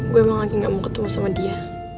gue emang lagi gak mau ketemu sama dia